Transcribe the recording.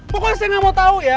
pokoknya saya nggak mau tahu ya